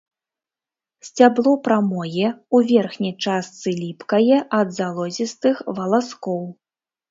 Сцябло прамое, у верхняй частцы ліпкае ад залозістых валаскоў.